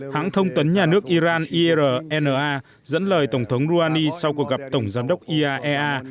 hãng thông tấn nhà nước iran irna dẫn lời tổng thống rouhani sau cuộc gặp tổng giám đốc iaea